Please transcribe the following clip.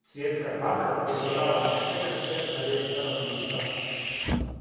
Свјетска банка упозорава на ефекат све старијег становништва